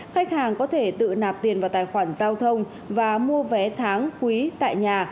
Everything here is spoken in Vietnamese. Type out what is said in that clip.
khách hàng có thể tự nạp tiền vào tài khoản giao thông và mua vé tháng quý tại nhà